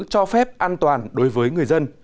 cho phép an toàn đối với người dân